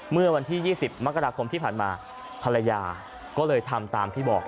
เมื่อวันที่๒๐มกราคมที่ผ่านมาภรรยาก็เลยทำตามที่บอก